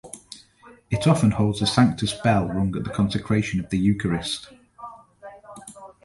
It often holds the Sanctus bell rung at the consecration of the eucharist.